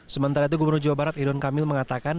sementara itu gubernur jawa barat idon kamil mengatakan